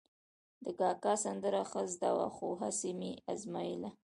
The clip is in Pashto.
د کاکا سندره ښه زده وه، خو هسې مې ازمایله.